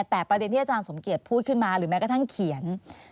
แต่ประเด็นที่อาจารย์สมเกียจพูดขึ้นมาหรือแม้กระทั่งเขียน